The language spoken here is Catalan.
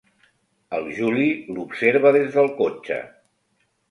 El Juli l'observa des del cotxe.